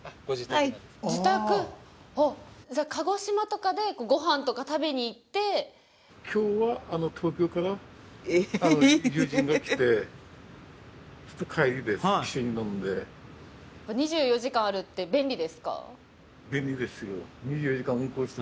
おおじゃあ鹿児島とかでご飯とか食べに行って２４時間あるって便利ですか？